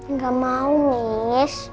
nggak mau miss